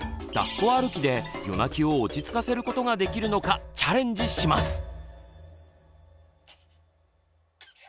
だっこ歩きで夜泣きを落ち着かせることができるのかチャレンジします。